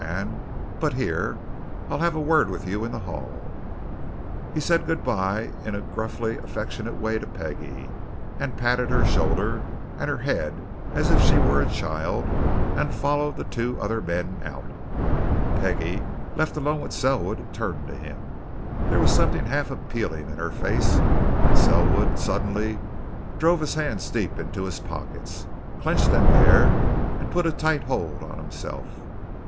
And but here, I'll have a word with you in the hall." He said good bye in a gruffly affectionate way to Peggie, patted her shoulder and her head as if she were a child, and followed the two other men out. Peggie, left alone with Selwood, turned to him. There was something half appealing in her face, and Selwood suddenly drove his hands deep into his pockets, clenched them there, and put a tight hold on himself.